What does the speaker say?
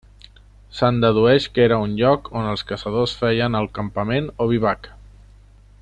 Se'n dedueix que era un lloc on els caçadors feien el campament o bivac.